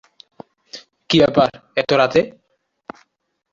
কি ব্যাপার, এতো রাতে?